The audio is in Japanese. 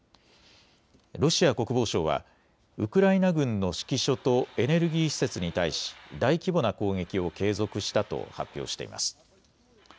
ロシア国防省はウクライナ軍の指揮所とエネルギー施設に対し大規模な攻撃を継続したと発表しています。